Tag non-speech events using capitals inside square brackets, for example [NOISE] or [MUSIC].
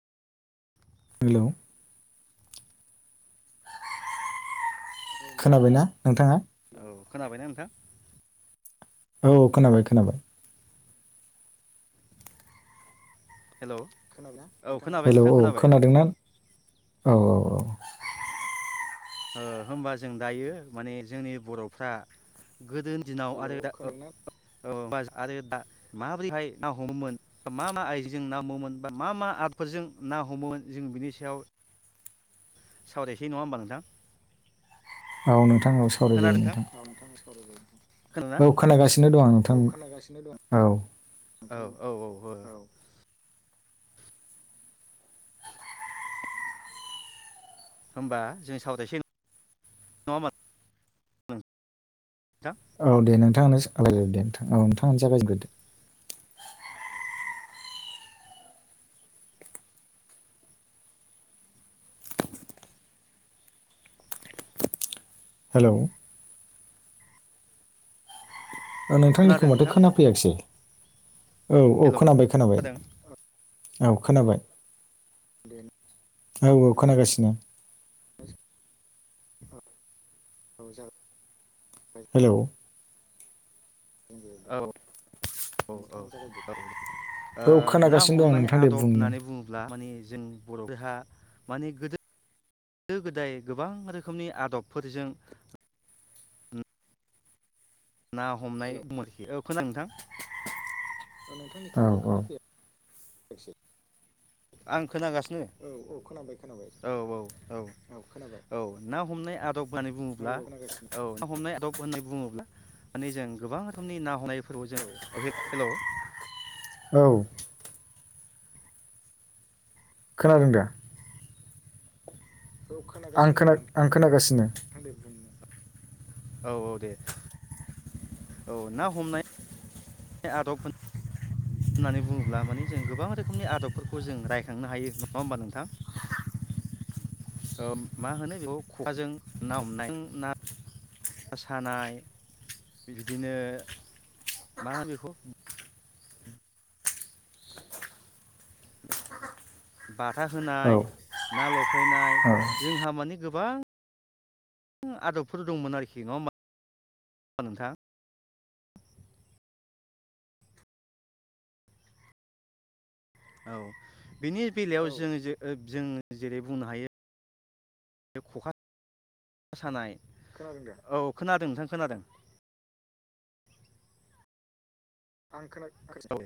हेल' खोनाबायना नोंथाङा? औ खोनाबायना नोंथां? औ खोनाबाय खोनाबाय। हेल' [UNINTELLIGIBLE] हेलौ औ खोनादोंना औ औ औ। ओ होमबा जों दायो माने जोंनि बर'फ्रा। गोदोनि दिनाव आरो दा [UNINTELLIGIBLE] आरो दा माबोरैहाय ना हमोमोन? मा-मा आइजेंजों ना हमोमोन बा मा-मा आपफोरजों ना हमोमोन जों बिनि सायाव। सावरायसै नङा होमबा नोंथां? औ नोंथां औ सावरायजायो नोंथां। खोनादोंना औ खोनागासिनो दं आं नोंथां औ। औ-औ-औ-औ-औ। होमबा जों सावरायसै नङा? [UNINTELLIGIBLE] औ दे नोंथाङानो सावरायग्रोदो दे नोंथां औ नोंथाङानो जागायजेनग्रोदो। हेलौ। ओ खोनादों नोंथांनिखौ माथो नोंथां खोनाफैयाखिसै? औ-औ हेलौ खोनाबाय-खोनाबाय खोनादों औ खोनाबाय। औ-औ खोनागासिनो। औ-औ जागो। हेलौ। औ-औ-औ-औ। ओ औ ना खोनागासिनो दं आं हमनाय नोंथां दे आदब बुंनो होननानै बुङोब्ला माने। जों बर'फोरहा माने गोदो। गोदो-गोदाय गोबां रोखोमनि आदबफोरजों। ना हमनाय दङ' आरोखि। औ खोनादों नोंथां? औ नोंथांनिखौ माथो औ खोनाफैया। [UNINTELLIGIBLE] आं खोनागासिनो औ-औ खोन खोनाबाय औ-औ-औ-औ खोनाबाय औ ना हमनाय आदब। [UNINTELLIGIBLE] बुङोब्ला औ ना हमनाय आदब होननानै बुङोब्ला माने जों गोबां रोखोमनि ना हमनाय फोरबो। जों हे-हेलौ। औ। खोनादों दा? औ आं खोनागासिनो दं खोना आं खोनागासिनो नोंथां दे बुं नों। औ-औ दे। औ ना हमनाय आदब होन। होन्नानै बुङोब्ला माने जों गोबां रोखोमनि आदबफोरखौ जों रायखांनो हायो नङा होमबा नोंथां? ओ मा होनो बेखौ ख'खाजों ना हमनाय ना। बा सानाय बिदिनो मा होनो बेखौ। बाथा औ होनाय ना लफायनाय जोंहा माने गोबां। आदबफोर दंमोन आरोखि नङा होमबा नोंथां? औ बेनि बेलायाव जोङो जो ओ जोंङो जेरै बुंनो हायो। बे ख'खा। सानाय खोनादों दा औ खोनादों नोंथां खोनादों। आं खोना [UNINTELLIGIBLE]